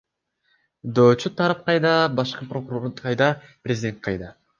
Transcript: Доочу тарап кайда, башкы прокурор кайда, президент кайда?